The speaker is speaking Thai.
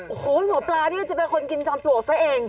โอ้โหหมอปลานี่ก็จะเป็นคนกินจอมปลวกซะเอง